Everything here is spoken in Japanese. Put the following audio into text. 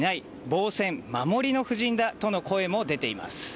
防戦、守りの布陣だとの声も出ています。